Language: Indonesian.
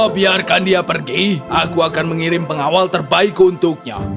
biarkan dia pergi aku akan mengirim pengawal terbaik untuknya